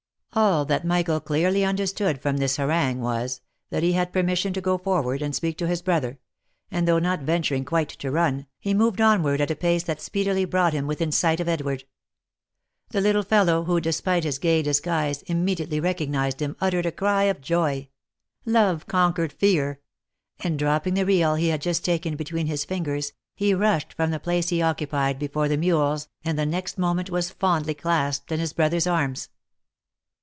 All that Michael clearly understood from this harangue was, that he had permission to go forward and speak to his brother ; and though not venturing quite to run, he moved onward at a pace that speedily brought him within sight of Edward. The little fellow who, despite his gay disguise, ^immediately recognised him, uttered a cry of joy. u Love conquered fear f and dropping the reel he had just taken between his fingers, he rushed from the place he occupied before the mules, and the next moment was fondly clasped in his brother's arms.